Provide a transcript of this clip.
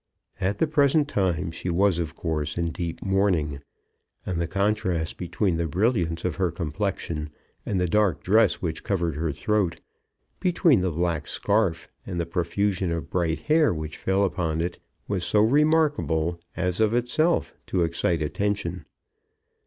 At the present time she was of course in deep mourning, and the contrast between the brilliance of her complexion and the dark dress which covered her throat; between the black scarf and the profusion of bright hair which fell upon it, was so remarkable as of itself to excite attention.